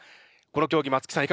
この競技松木さん